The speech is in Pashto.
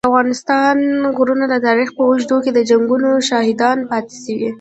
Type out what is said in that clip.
د افغانستان غرونه د تاریخ په اوږدو کي د جنګونو شاهدان پاته سوي.